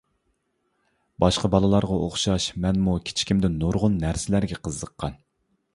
باشقا بالىلارغا ئوخشاشلا مەنمۇ كىچىكىمدە نۇرغۇن نەرسىلەرگە قىزىققان.